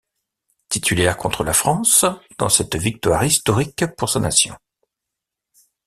Titulaire contre la France dans cette victoire historique pour sa nation.